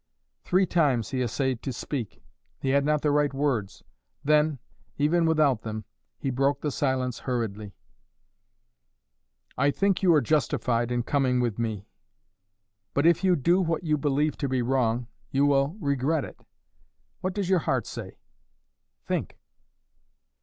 Three times he essayed to speak; he had not the right words; then, even without them, he broke the silence hurriedly: "I think you are justified in coming with me; but if you do what you believe to be wrong you will regret it. What does your heart say? Think!"